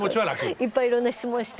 いっぱいいろんな質問をして。